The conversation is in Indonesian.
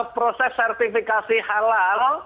proses sertifikasi halal